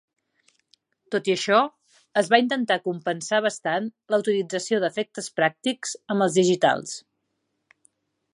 Tot i això, es va intentar compensar bastant la utilització d'efectes pràctics amb els digitals.